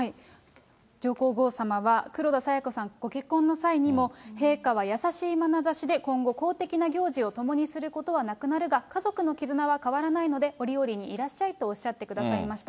上皇后さまは黒田清子さんのご結婚の際にも、陛下は優しいまなざしで今後、公的な行事を共にすることはなくなるが、家族の絆は変わらないので、折々にいらっしゃいとおっしゃってくださいました。